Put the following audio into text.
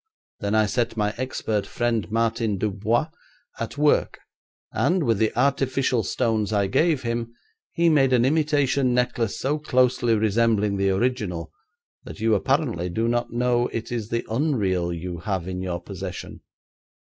Then I set my expert friend Martin Dubois at work, and, with the artificial stones I gave him, he made an imitation necklace so closely resembling the original that you apparently do not know it is the unreal you have in your possession.